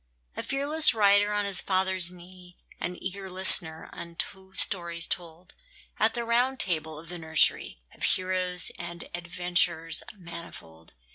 A fearless rider on his father's knee, An eager listener unto stories told At the Round Table of the nursery, Of heroes and adventures manifold.